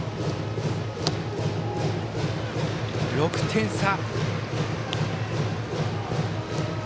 ６点差。